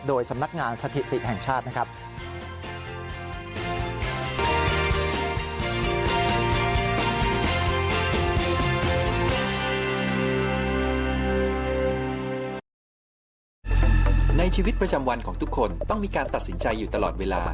โดยสำนักงานสถิติแห่งชาตินะครับ